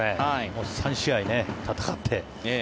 ３試合戦って。